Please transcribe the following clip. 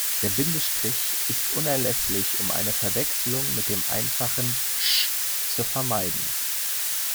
Der Bindestrich ist unerlässlich, um eine Verwechslung mit einfachem "sch" zu vermeiden.